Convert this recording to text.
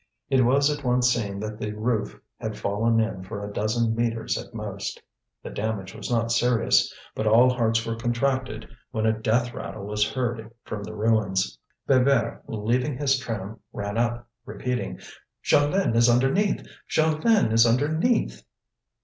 It was at once seen that the roof had fallen in for a dozen metres at most. The damage was not serious. But all hearts were contracted when a death rattle was heard from the ruins. Bébert, leaving his tram, ran up, repeating: "Jeanlin is underneath! Jeanlin is underneath!"